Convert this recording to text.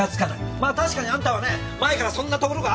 まあ確かにあんたはね前からそんなところがあったんだよ！